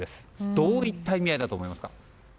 どういった意味合いだと思いますか。